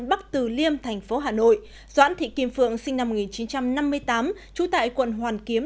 hoàn kiếm thành phố hà nội doãn thị kim phượng sinh năm một nghìn chín trăm năm mươi tám trú tại quận hoàn kiếm